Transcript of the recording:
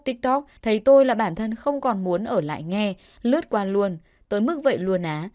tiktok thấy tôi là bản thân không còn muốn ở lại nghe lướt qua luôn tới mức vậy luôn á